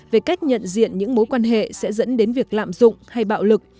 về cách nhận diện những mối quan hệ sẽ dẫn đến việc lạm dụng hay bạo lực